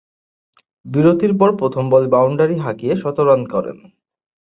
বিরতির পর প্রথম বলে বাউন্ডারি হাঁকিয়ে শতরান করেন।